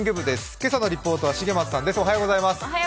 今朝のリポートは重松さんです。